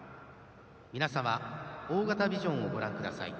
皆様大型ビジョンをご覧ください。